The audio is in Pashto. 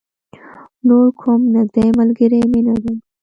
نور کوم نږدې ملگری مې نه دی.